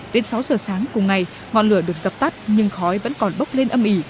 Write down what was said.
đến sáu giờ sáng cùng ngày ngọn lửa được dập tắt nhưng khói vẫn còn bốc lên âm ỉ